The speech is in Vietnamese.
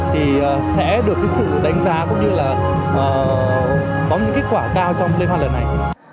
thì sẽ được cái sự đánh giá cũng như là có những kết quả cao trong liên hoan lần này